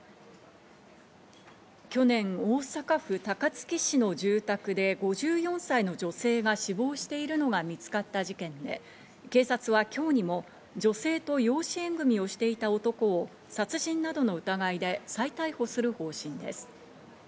去年、大阪府高槻市の住宅で５４歳の女性が死亡しているのが見つかった事件で、警察は今日にも女性と養子縁組をしていた男を殺人などの疑いで再逮捕する方針です。